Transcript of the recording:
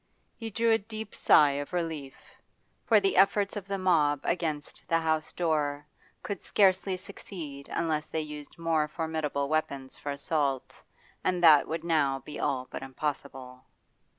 He drew a deep sigh of relief, for the efforts of the mob against the house door could scarcely succeed unless they used more formidable weapons for assault, and that would now be all but impossible.